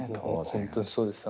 本当にそうです。